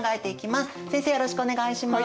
よろしくお願いします。